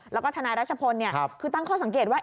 แล้วก็ทนายรัชพลคือตั้งข้อสังเกตว่า